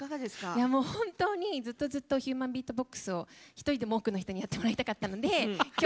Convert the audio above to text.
本当に、ずっとずっとヒューマンビートボックスを一人でも多くの人にやってもらいたかったんで。